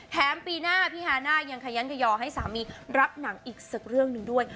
ปีหน้าพี่ฮาน่ายังขยันขยอให้สามีรับหนังอีกสักเรื่องหนึ่งด้วย